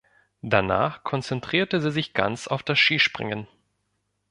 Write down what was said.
Danach konzentrierte sie sich ganz auf das Skispringen.